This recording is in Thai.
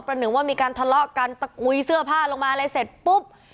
หนึ่งว่ามีการทะเลาะกันตะกุยเสื้อผ้าลงมาอะไรเสร็จปุ๊บ